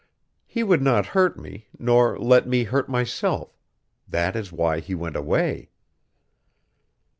He would not hurt me, nor let me hurt myself. That is why he went away!"